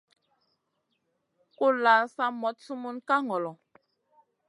Kulʼla sa moɗ sumun ka ŋolo.